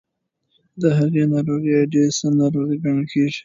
د هغې ناروغۍ اډیسن ناروغي ګڼل کېږي.